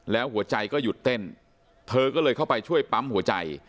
แล้วหัวใจก็หยุดเต้นเธอก็เลยเข้าไปช่วยปั๊มหัวใจ